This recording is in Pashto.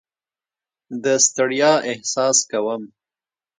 د ستړیا احساس کوم.